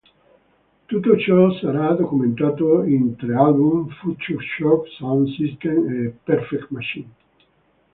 Tutto ciò sarà documentato in tre album: "Future Shock", "Sound System" e "Perfect Machine".